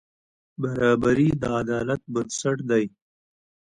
برابري د عدالت بنسټ دی.